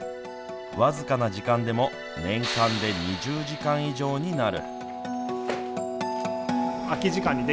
僅かな時間でも年間で２０時間以上になる。